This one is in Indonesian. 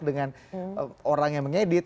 dengan orang yang mengedit